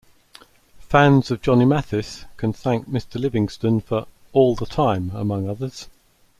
Fans of Johnny Mathis can thank Mr. Livingston for All The Time among others.